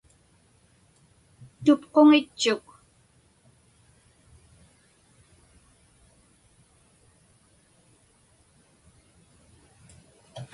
Tupquŋitchuk.